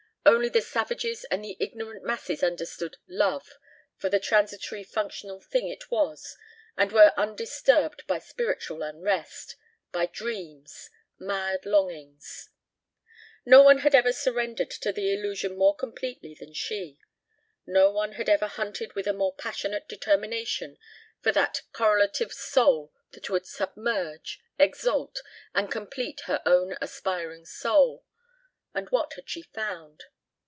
Only the savages and the ignorant masses understood "love" for the transitory functional thing it was and were undisturbed by spiritual unrest ... by dreams ... mad longings. ... No one had ever surrendered to the illusion more completely than she. No one had ever hunted with a more passionate determination for that correlative soul that would submerge, exalt, and complete her own aspiring soul. And what had she found?